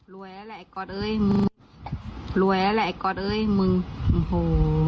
รวยแล้วแหละก๊อตเอ้ยมึงรวยแล้วแหละก๊อตเอ้ยมึงโอ้โฮ